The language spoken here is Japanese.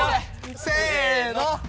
せの。